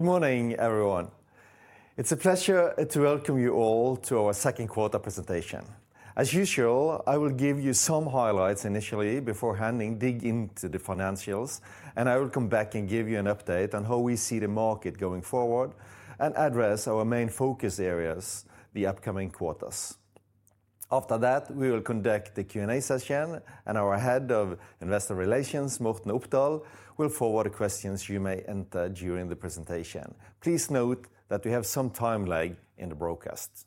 Good morning, everyone. It's a pleasure to welcome you all to our second quarter presentation. As usual, I will give you some highlights initially before Henning digs into the financials, and I will come back and give you an update on how we see the market going forward, and address our main focus areas, the upcoming quarters. After that, we will conduct the Q&A session, and our Head of Investor Relations, Morten A. W. Opdal, will forward the questions you may enter during the presentation. Please note that we have some time lag in the broadcast.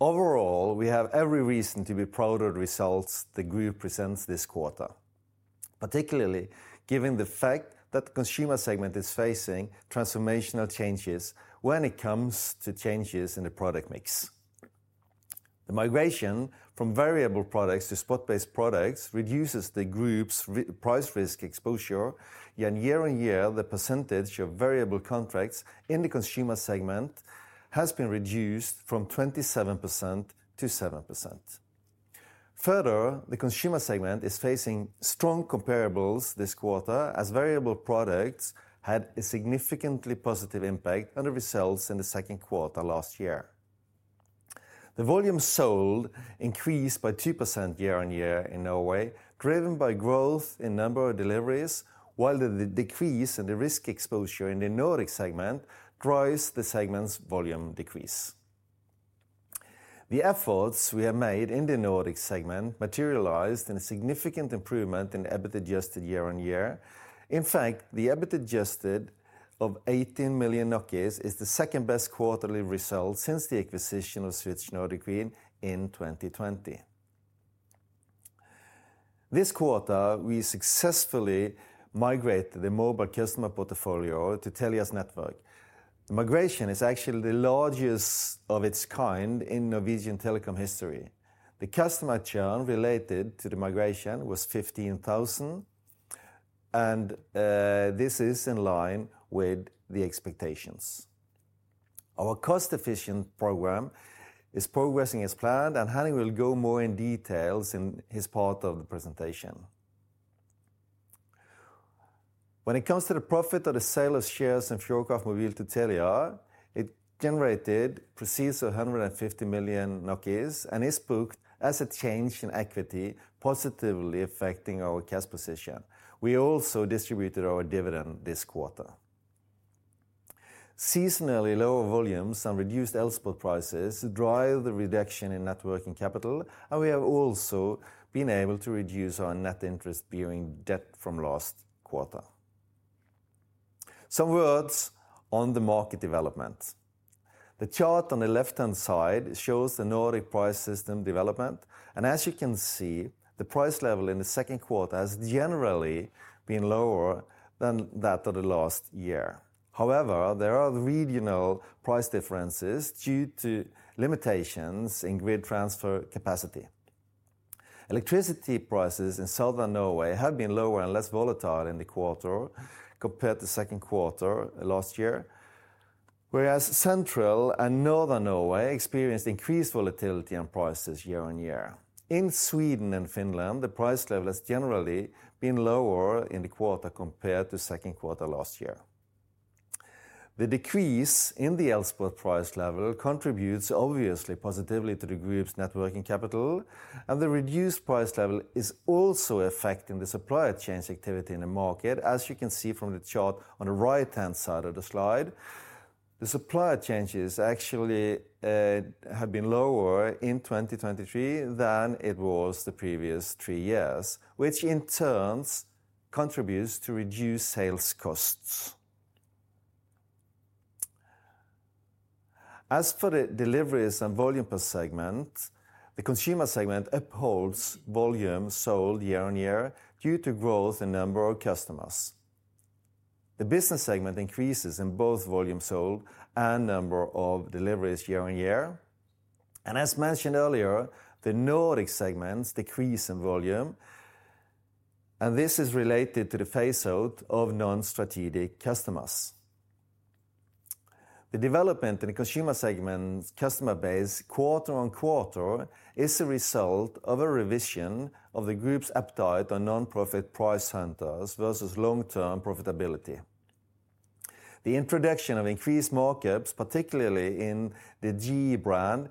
Overall, we have every reason to be proud of the results the group presents this quarter, particularly given the fact that the Consumer segment is facing transformational changes when it comes to changes in the product mix. The migration from variable products to spot-based products reduces the group's price risk exposure, yet year-on-year, the percentage of variable contracts in the Consumer segment has been reduced from 27%-7%. The Consumer segment is facing strong comparables this quarter, as variable products had a significantly positive impact on the results in the second quarter last year. The volume sold increased by 2% year-on-year in Norway, driven by growth in number of deliveries, while the decrease in the risk exposure in the Nordic segment drives the segment's volume decrease. The efforts we have made in the Nordic segment materialized in a significant improvement in EBIT adj. year-on-year. In fact, the EBIT adj. of 18 million is the second best quarterly result since the acquisition of Switch Nordic Green in 2020. This quarter, we successfully migrate the mobile customer portfolio to Telia's network. The migration is actually the largest of its kind in Norwegian telecom history. The customer churn related to the migration was 15,000, and this is in line with the expectations. Our cost-efficient program is progressing as planned, and Henning will go more in details in his part of the presentation. When it comes to the profit of the sale of shares in Fjordkraft Mobil to Telia, it generated proceeds of 150 million, and is booked as a change in equity, positively affecting our cash position. We also distributed our dividend this quarter. Seasonally lower volumes and reduced elspot prices drive the reduction in net working capital, and we have also been able to reduce our net interest-bearing debt from last quarter. Some words on the market development. The chart on the left-hand side shows the Nordic System Price development, and as you can see, the price level in the second quarter has generally been lower than that of the last year. However, there are regional price differences due to limitations in grid transfer capacity. Electricity prices in southern Norway have been lower and less volatile in the quarter compared to second quarter last year. Whereas central and northern Norway experienced increased volatility and prices year-on-year. In Sweden and Finland, the price level has generally been lower in the quarter compared to second quarter last year. The decrease in the elspot price level contributes obviously positively to the group's net working capital, and the reduced price level is also affecting the supplier change activity in the market. As you can see from the chart on the right-hand side of the slide, the supplier changes actually have been lower in 2023 than it was the previous three years, which in turn contributes to reduced sales costs. As for the deliveries and volume per segment, the Consumer segment upholds volume sold year-on-year due to growth in number of customers. The Business segment increases in both volume sold and number of deliveries year-on-year. As mentioned earlier, the Nordic segment's decrease in volume, and this is related to the phaseout of non-strategic customers. The development in the Consumer segment customer base quarter-on-quarter is a result of a revision of the group's appetite on nonprofit price centers versus long-term profitability. The introduction of increased markups, particularly in the Gudbrandsdal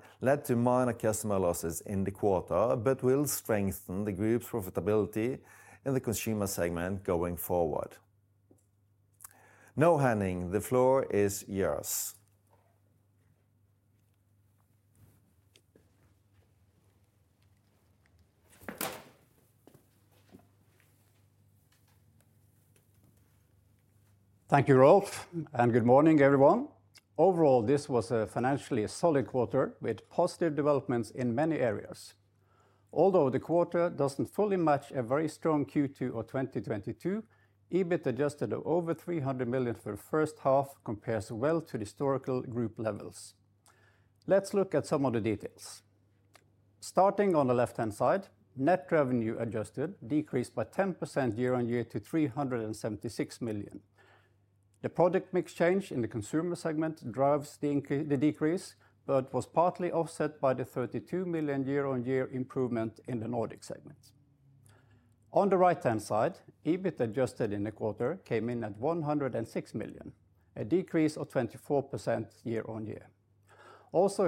Energi, led to minor customer losses in the quarter, but will strengthen the group's profitability in the Consumer segment going forward. Now, Henning, the floor is yours. Thank you, Rolf. Good morning, everyone. Overall, this was a financially solid quarter with positive developments in many areas. Although the quarter doesn't fully match a very strong Q2 of 2022, EBIT adj. of over 300 million for the first half compares well to the historical group levels. Let's look at some of the details. Starting on the left-hand side, net revenue adjusted decreased by 10% year-on-year to 376 million. The product mix change in the Consumer segment drives the decrease, but was partly offset by the 32 million year-on-year improvement in the Nordic segment. On the right-hand side, EBIT adj. in the quarter came in at 106 million, a decrease of 24% year-on-year.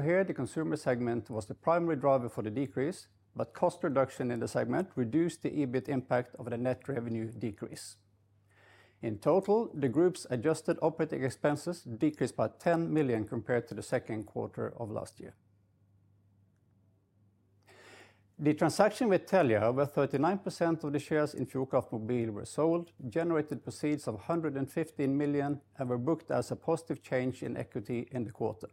Here, the Consumer segment was the primary driver for the decrease, but cost reduction in the segment reduced the EBIT impact of the net revenue decrease. In total, the group's adjusted operating expenses decreased by 10 million compared to the second quarter of last year. The transaction with Telia, where 39% of the shares in Fjordkraft Mobil were sold, generated proceeds of 115 million and were booked as a positive change in equity in the quarter.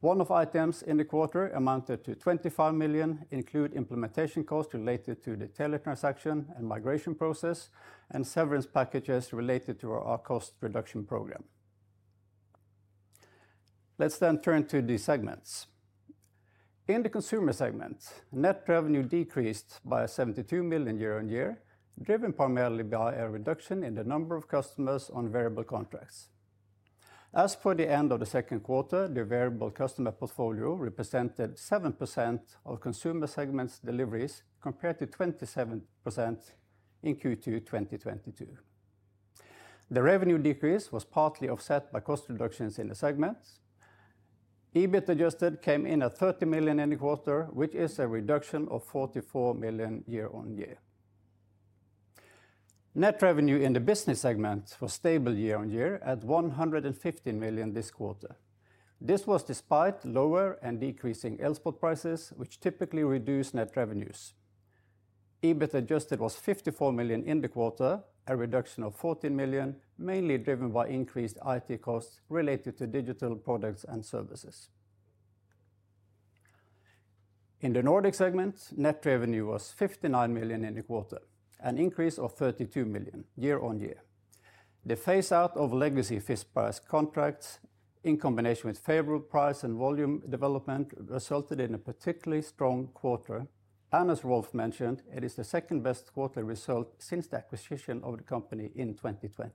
One-off items in the quarter amounted to 25 million, include implementation costs related to the Telia transaction and migration process and severance packages related to our cost reduction program. Let's turn to the segments. In the Consumer segment, net revenue decreased by a 72 million year-on-year, driven primarily by a reduction in the number of customers on variable contracts. As for the end of the second quarter, the variable customer portfolio represented 7% of Consumer segments deliveries, compared to 27% in Q2 2022. The revenue decrease was partly offset by cost reductions in the segments. EBIT adj. came in at 30 million in the quarter, which is a reduction of 44 million year-on-year. Net revenue in the Business segment was stable year-on-year at 115 million this quarter. This was despite lower and decreasing elspot prices, which typically reduce net revenues. EBIT adj. was 54 million in the quarter, a reduction of 14 million, mainly driven by increased IT costs related to digital products and services. In the Nordic segment, net revenue was 59 million in the quarter, an increase of 32 million year-on-year. The phase out of legacy fixed price contracts, in combination with favorable price and volume development, resulted in a particularly strong quarter. As Rolf mentioned, it is the second best quarter result since the acquisition of the company in 2020.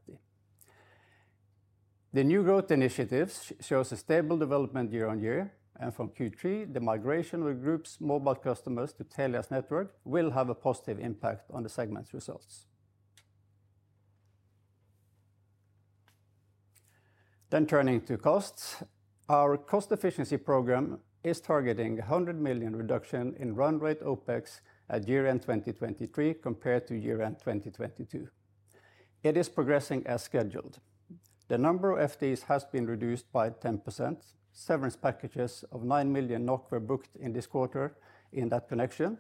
The new growth initiatives shows a stable development year-on-year, and from Q3, the migration with groups mobile customers to Telia's network will have a positive impact on the segment's results. Turning to costs. Our cost efficiency program is targeting a 100 million reduction in run rate OpEx at year end 2023, compared to year end 2022. It is progressing as scheduled. The number of FTEs has been reduced by 10%. Severance packages of 9 million NOK were booked in this quarter in that connection.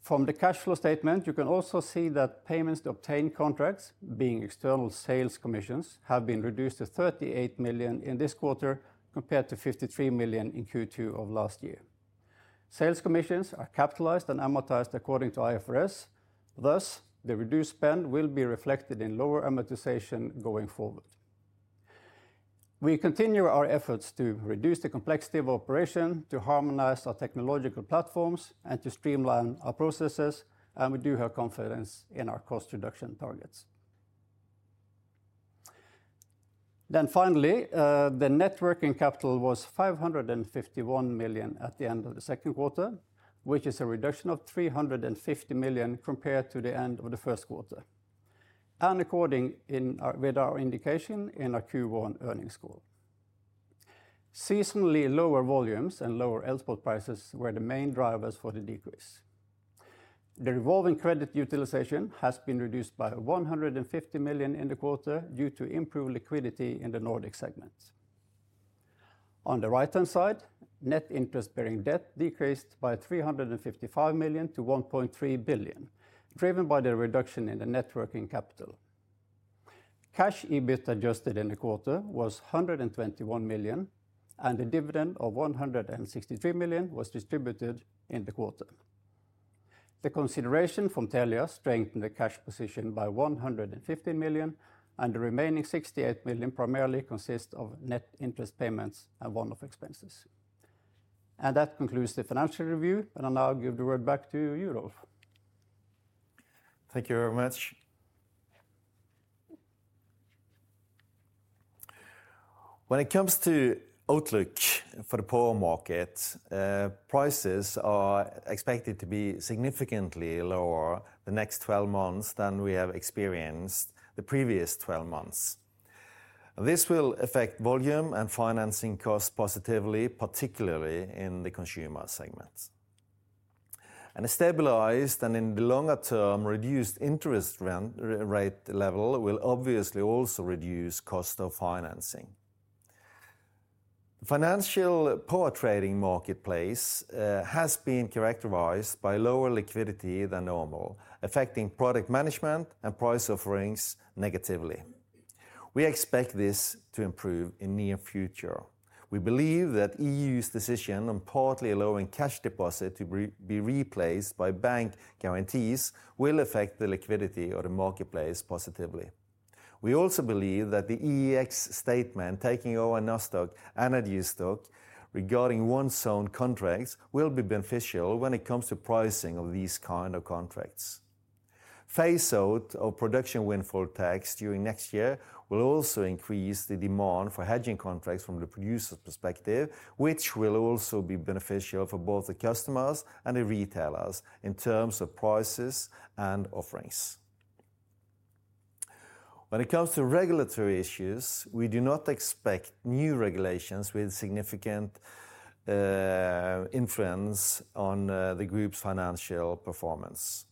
From the cash flow statement, you can also see that payments to obtain contracts, being external sales commissions, have been reduced to 38 million in this quarter, compared to 53 million in Q2 of last year. Sales commissions are capitalized and amortized according to IFRS, thus, the reduced spend will be reflected in lower amortization going forward. We continue our efforts to reduce the complexity of operation, to harmonize our technological platforms, and to streamline our processes. We do have confidence in our cost reduction targets. Finally, the net working capital was 551 million at the end of the second quarter, which is a reduction of 350 million compared to the end of the first quarter, and according with our indication in our Q1 earnings call. Seasonally, lower volumes and lower elspot prices were the main drivers for the decrease. The revolving credit utilization has been reduced by 150 million in the quarter due to improved liquidity in the Nordic segment. On the right-hand side, net interest-bearing debt decreased by 355 million to 1.3 billion, driven by the reduction in the net working capital. Cash EBIT adj. in the quarter was 121 million, and the dividend of 163 million was distributed in the quarter. The consideration from Telia strengthened the cash position by 115 million, and the remaining 68 million primarily consists of net interest payments and one-off expenses. That concludes the financial review, and I'll now give the word back to you, Rolf. Thank you very much. When it comes to outlook for the power market, prices are expected to be significantly lower the next 12 months than we have experienced the previous 12 months. This will affect volume and financing costs positively, particularly in the Consumer segment. A stabilized and, in the longer term, reduced interest rate level will obviously also reduce cost of financing. Financial power trading marketplace has been characterized by lower liquidity than normal, affecting product management and price offerings negatively. We expect this to improve in near future. We believe that EU's decision on partly allowing cash deposit to be replaced by bank guarantees will affect the liquidity or the marketplace positively. We also believe that the EEX statement, taking over Nasdaq and EASDAQlearing regarding one's own contracts, will be beneficial when it comes to pricing of these kind of contracts. Phase out of production windfall tax during next year will also increase the demand for hedging contracts from the producer perspective, which will also be beneficial for both the customers and the retailers in terms of prices and offerings. When it comes to regulatory issues, we do not expect new regulations with significant influence on the group's financial performance.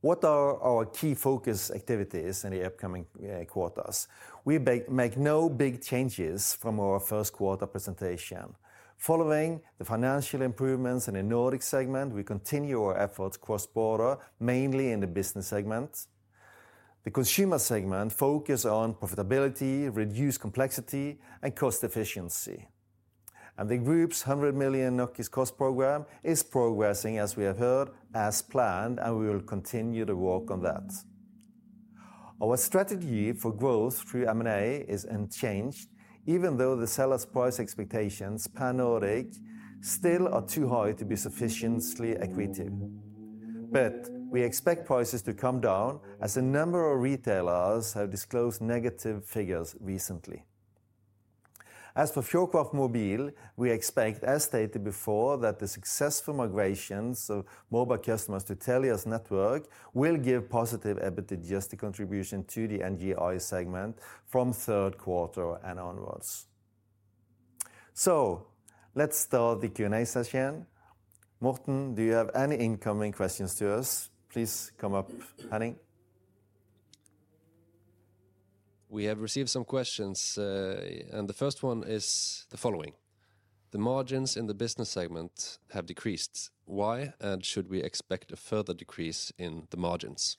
What are our key focus activities in the upcoming quarters? We make no big changes from our first quarter presentation. Following the financial improvements in the Nordic segment, we continue our efforts cross-border, mainly in the Business segment. The Consumer segment focus on profitability, reduce complexity, and cost efficiency. The group's 100 million cost program is progressing, as we have heard, as planned, and we will continue to work on that. Our strategy for growth through M&A is unchanged, even though the seller's price expectations pan-Nordic still are too high to be sufficiently accretive. We expect prices to come down as a number of retailers have disclosed negative figures recently. As for Fjordkraft Mobil, we expect, as stated before, that the successful migrations of mobile customers to Telia's network will give positive EBITDA-adjusted contribution to the NGI segment from third quarter and onwards. Let's start the Q&A session. Morten, do you have any incoming questions to us? Please come up, honey. We have received some questions, and the first one is the following: the margins in the Business segment have decreased. Why? Should we expect a further decrease in the margins?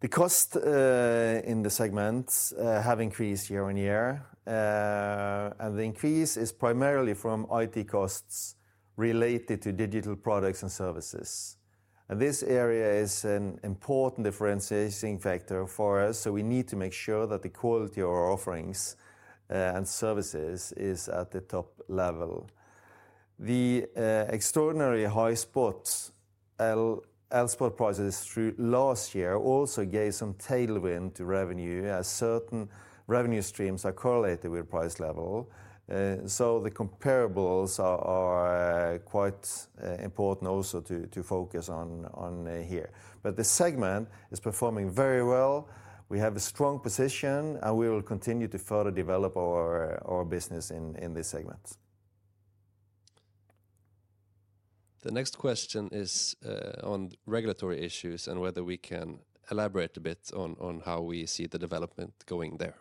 The cost in the segment have increased year-on-year, and the increase is primarily from IT costs related to digital products and services. This area is an important differentiation factor for us, so we need to make sure that the quality of our offerings and services is at the top level. The extraordinary high spot prices through last year also gave some tailwind to revenue, as certain revenue streams are correlated with price level. The comparables are quite important also to focus on here. The segment is performing very well. We have a strong position, and we will continue to further develop our business in this segment. The next question is, on regulatory issues and whether we can elaborate a bit on, on how we see the development going there.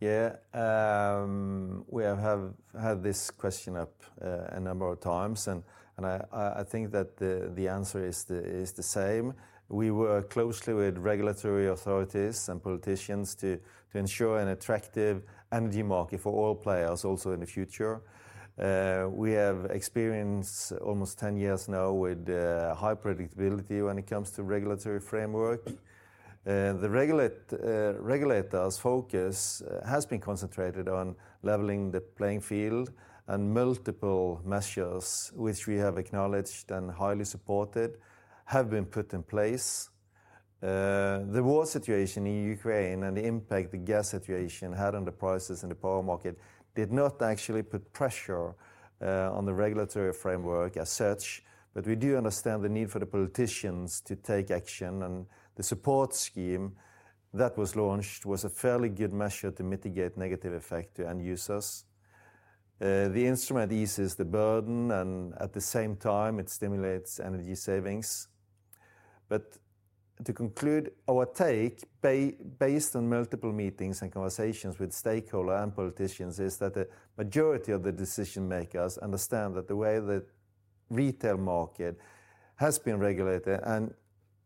Yeah. We have had this question up a number of times, and, and I, I, I think that the, the answer is the, is the same. We work closely with regulatory authorities and politicians to, to ensure an attractive energy market for all players, also in the future. We have experience almost 10 years now with high predictability when it comes to regulatory framework. The regulators' focus has been concentrated on leveling the playing field and multiple measures, which we have acknowledged and highly supported, have been put in place. The war situation in Ukraine and the impact the gas situation had on the prices in the power market did not actually put pressure on the regulatory framework as such. We do understand the need for the politicians to take action, and the support scheme that was launched was a fairly good measure to mitigate negative effect to end users. The instrument eases the burden, and at the same time, it stimulates energy savings. To conclude, our take, based on multiple meetings and conversations with stakeholder and politicians, is that the majority of the decision makers understand that the way the retail market has been regulated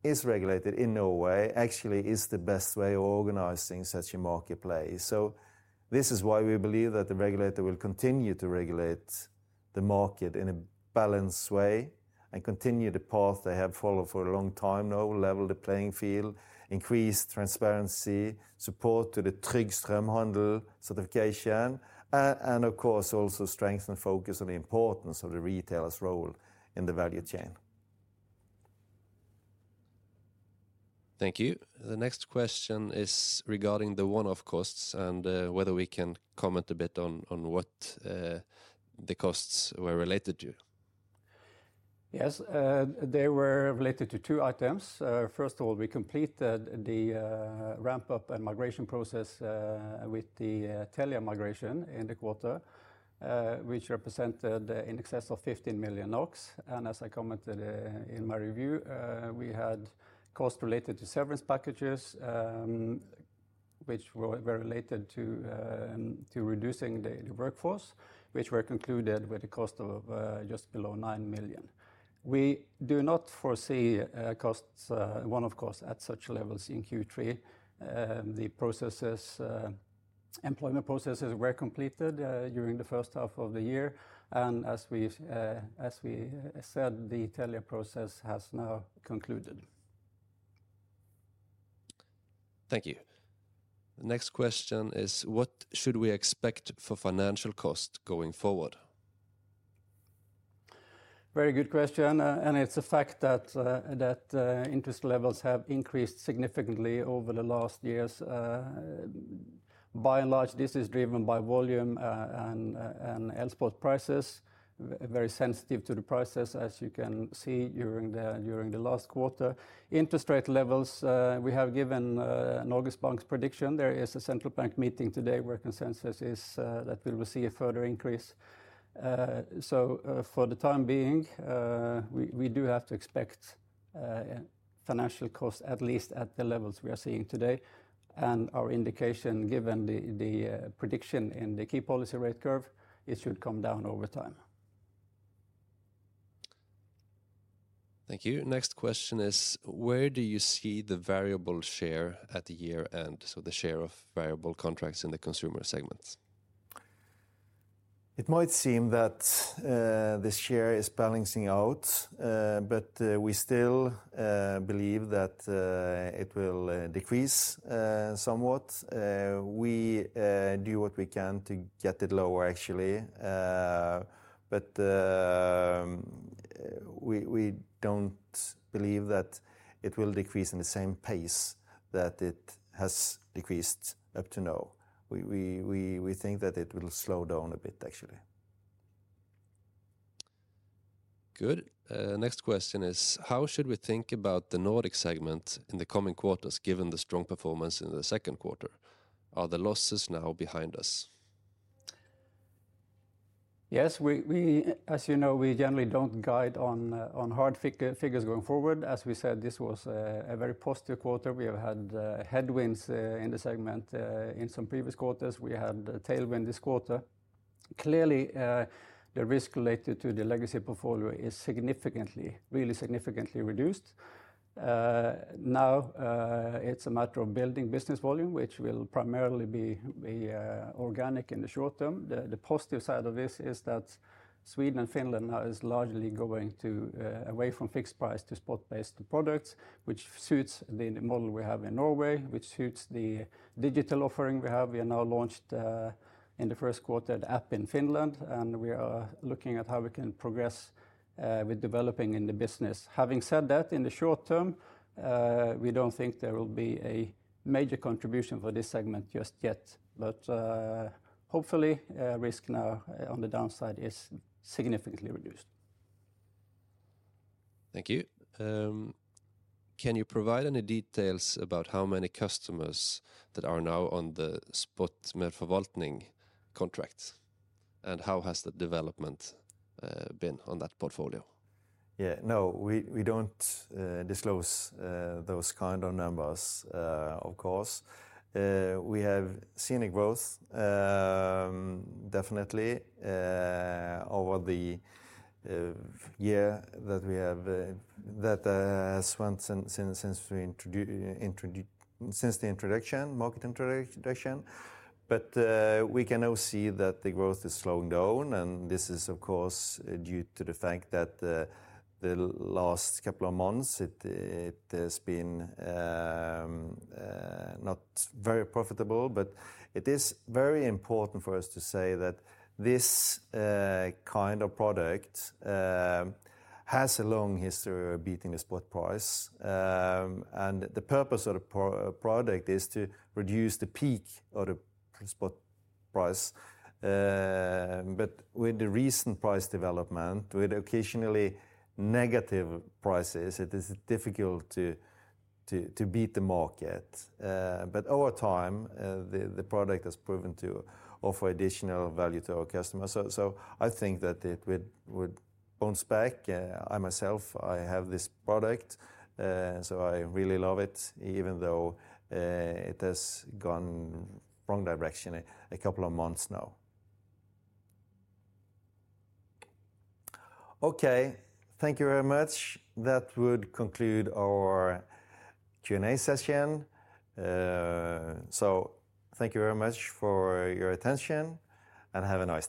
and is regulated in Norway actually is the best way of organizing such a marketplace. This is why we believe that the regulator will continue to regulate the market in a balanced way and continue the path they have followed for a long time now: level the playing field, increase transparency, support to the Trygg Strømhandel certification, and, and of course, also strengthen focus on the importance of the retailer's role in the value chain. Thank you. The next question is regarding the one-off costs and, whether we can comment a bit on what the costs were related to. Yes, they were related to two items. First of all, we completed the ramp-up and migration process with the Telia migration in the quarter, which represented in excess of 15 million NOK. As I commented, in my review, we had costs related to severance packages, which were related to reducing the workforce, which were concluded with a cost of just below 9 million. We do not foresee costs, one-off costs at such levels in Q3. The processes, employment processes were completed during the first half of the year, as we've as we said, the Telia process has now concluded. Thank you. The next question is: What should we expect for financial cost going forward? Very good question. It's a fact that interest levels have increased significantly over the last years. By and large, this is driven by volume, and elspot prices, very sensitive to the prices, as you can see, during the last quarter. Interest rate levels, we have given Norges Bank's prediction. There is a central bank meeting today where consensus is that we will see a further increase. For the time being, we do have to expect financial costs, at least at the levels we are seeing today. Our indication, given the prediction in the key policy rate curve, it should come down over time. Thank you. Next question is: where do you see the variable share at the year-end, so the share of variable contracts in the Consumer segments? It might seem that the share is balancing out, but we still believe that it will decrease somewhat. We do what we can to get it lower, actually. We don't believe that it will decrease in the same pace that it has decreased up to now. We think that it will slow down a bit, actually. Good. Next question is: how should we think about the Nordic segment in the coming quarters, given the strong performance in the second quarter? Are the losses now behind us? Yes, we, we, as you know, we generally don't guide on hard figures going forward. As we said, this was a very positive quarter. We have had headwinds in the segment in some previous quarters. We had a tailwind this quarter. Clearly, the risk related to the legacy portfolio is significantly, really significantly reduced. Now, it's a matter of building business volume, which will primarily be organic in the short term. The positive side of this is that Sweden and Finland now is largely going away from fixed price to spot-based products, which suits the model we have in Norway, which suits the digital offering we have. We have now launched in the first quarter, the app in Finland. We are looking at how we can progress with developing in the business. Having said that, in the short term, we don't think there will be a major contribution for this segment just yet. Hopefully, risk now on the downside is significantly reduced. Thank you. Can you provide any details about how many customers that are now on the Spot med forvaltning contract, and how has the development been on that portfolio? Yeah, no, we, we don't disclose those kind of numbers, of course. We have seen a growth, definitely, over the year that we have that [Swant] since since since we since the introduction, market introduction. We can now see that the growth is slowing down, and this is, of course, due to the fact that the last couple of months, it, it has been not very profitable. It is very important for us to say that this kind of product has a long history of beating the spot price. The purpose of the product is to reduce the peak of the spot price. With the recent price development, with occasionally negative prices, it is difficult to, to, to beat the market. Over time, the product has proven to offer additional value to our customers. So I think that it would, would bounce back. I myself, I have this product, so I really love it, even though, it has gone wrong direction a couple of months now. Okay, thank you very much. That would conclude our Q&A session. Thank you very much for your attention, and have a nice day.